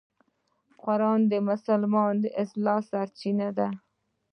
قرآن د مسلمان د اصلاح سرچینه ده.